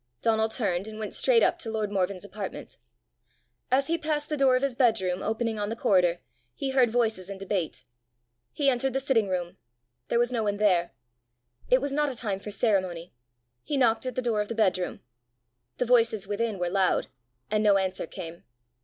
Donal turned and went straight up to lord Morven's apartment. As he passed the door of his bedroom opening on the corridor, he heard voices in debate. He entered the sitting room. There was no one there. It was not a time for ceremony. He knocked at the door of the bedroom. The voices within were loud, and no answer came.